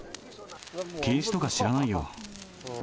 禁止とか知らないよ。